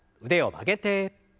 腕を曲げて。